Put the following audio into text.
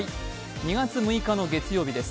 ２月６日の月曜日です。